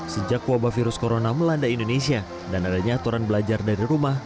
sejak wabah virus corona melanda indonesia dan adanya aturan belajar dari rumah